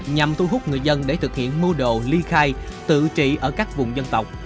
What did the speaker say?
nhằm thu hút người dân để thực hiện mua đồ ly khai tự trị ở các vùng dân tộc